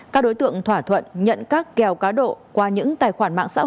các đối tượng thỏa thuận nhận các kèo cá độ qua những tài khoản mạng sản phẩm